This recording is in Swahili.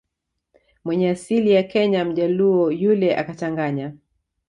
mwenye asili ya Kenya Mjaluo yule akachanganya